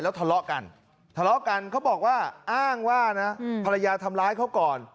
ทะเลาะกันทะเลาะกันเขาบอกว่าอ้างว่านะภรรยาทำร้ายเขาก่อน